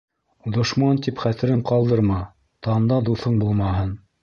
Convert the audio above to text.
Дошман тип хәтерен ҡалдырма, танда дуҫың булмаһын.